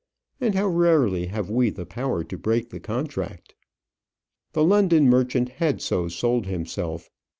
And how rarely have we the power to break the contract! The London merchant had so sold himself.